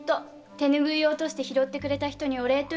手ぬぐい落として拾ってくれた人にお礼に一両。